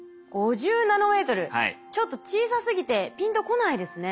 ちょっと小さすぎてピンとこないですね。